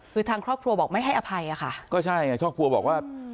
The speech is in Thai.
คือทางครอบครัวบอกไม่ให้อภัยอ่ะค่ะก็ใช่ไงครอบครัวบอกว่า